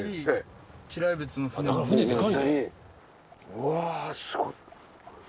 うわぁすごい。